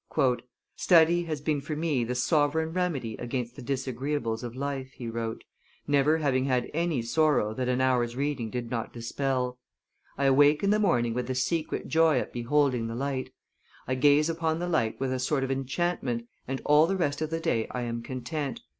"Study has been for me the sovereign remedy against the disagreeables of life," he wrote, "never having had any sorrow that an hour's reading did not dispel. I awake in the morning with a secret joy at beholding the light; I gaze upon the light with a sort of enchantment, and all the rest of the day I am content.